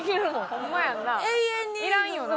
ホンマやんな。